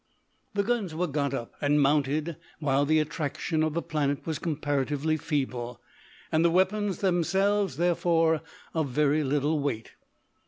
The guns were got up and mounted while the attraction of the planet was comparatively feeble, and the weapons themselves therefore of very little weight.